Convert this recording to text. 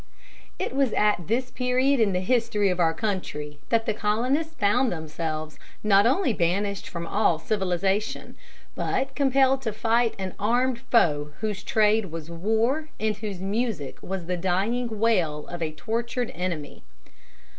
It was at this period in the history of our country that the colonists found themselves not only banished from all civilization, but compelled to fight an armed foe whose trade was war and whose music was the dying wail of a tortured enemy.